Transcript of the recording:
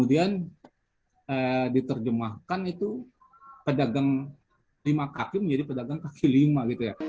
dan diterjemahkan itu pedagang lima kaki menjadi pedagang kaki lima